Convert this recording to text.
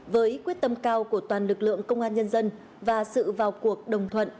với quyết tâm cao của toàn lực lượng công an nhân dân và sự vào cuộc đồng thuận